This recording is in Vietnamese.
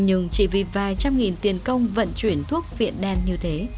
nhưng chỉ vì vài trăm nghìn tiền công vận chuyển thuốc viện đen như thế